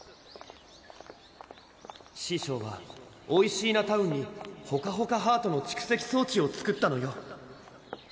師匠はおいしーなタウンにほかほかハートの蓄積装置を作ったのよ